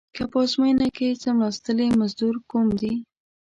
که په ازموینه کې څملاستلې مزدور کوم دې.